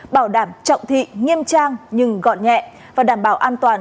bảo đảm trọng thị nghiêm trang nhưng gọn nhẹ và đảm bảo an toàn